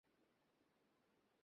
দেখে আশ্চর্য হলে?